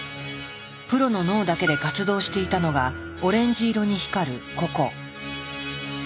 プロの脳だけで活動していたのがオレンジ色に光るここ。